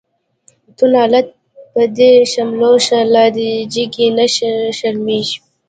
تو لعنت په دی شملو شه، لا دی جګی نه شرميږی